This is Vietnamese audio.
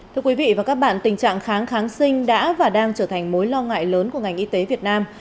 thưa quý vị và các bạn tình trạng kháng kháng sinh đã và đang trở thành mối lo ngại lớn của ngành y tế việt nam